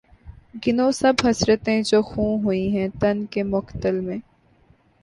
گنو سب حسرتیں جو خوں ہوئی ہیں تن کے مقتل میں